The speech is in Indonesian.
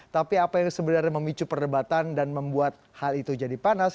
tapi apa yang sebenarnya memicu perdebatan dan membuat hal itu jadi panas